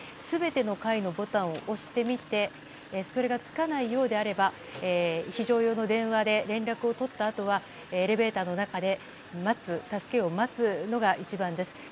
全ての階のボタンを押してみてそれがつかないようであれば非常用の電話で連絡を取ったあとエレベーターの中で助けを待つのが一番です。